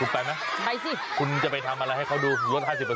คุณไปไหมไปสิคุณจะไปทำอะไรให้เขาดูลด๕๐